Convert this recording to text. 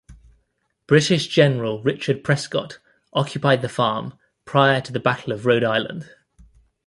British General Richard Prescott occupied the farm prior to the Battle of Rhode Island.